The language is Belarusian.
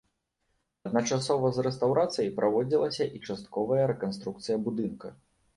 Адначасова з рэстаўрацыяй праводзілася і частковая рэканструкцыя будынка.